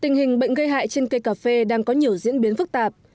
tình hình bệnh gây hại trên cây cà phê đang có nhiều diễn biến phức tạp